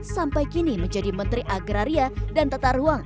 sampai kini menjadi menteri agraria dan tata ruang